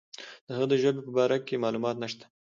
د هغه د ژبې په باره کې معلومات نشته.